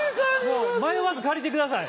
迷わず借りてください。